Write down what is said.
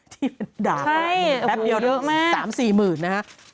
ที่ด่าก็แป๊บเดี๋ยว๓๔หมื่นนะครับ